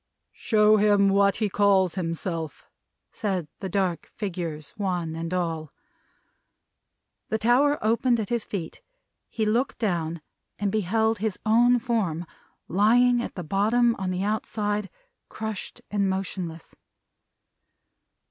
"Show him what he calls himself," said the dark figures, one and all. The tower opened at his feet. He looked down, and beheld his own form, lying at the bottom, on the outside: crushed and motionless.